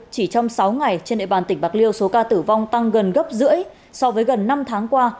chỉ trong sáu ngày trên địa bàn tỉnh bạc liêu số ca tử vong tăng gần gấp rưỡi so với gần năm tháng qua